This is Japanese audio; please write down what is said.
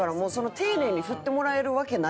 丁寧に振ってもらえるわけないから。